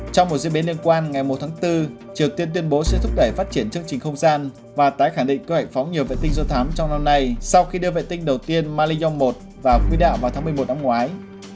trong một diễn biến liên quan ngày một tháng bốn triều tiên tuyên bố sẽ thúc đẩy phát triển chương trình không gian và tái khẳng định kế hoạch phóng nhiều vệ tinh do thám trong năm nay sau khi đưa vệ tinh đầu tiên mali yong một vào quỹ đạo vào tháng một mươi một năm ngoái